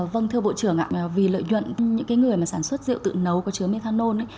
vâng thưa bộ trưởng vì lợi nhuận những người sản xuất rượu tự nấu có chứa methanol